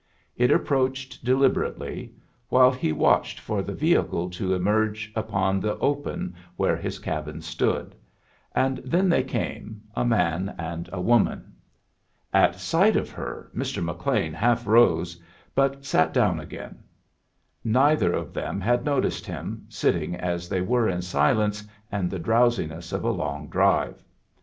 It approached deliberately, while he watched for the vehicle to emerge upon the open where his cabin stood; and then they came, a man and a woman. At sight of her Mr. McLean half rose, but sat down again. Neither of them had noticed him, sitting as they were in silence and the drowsiness of a long drive.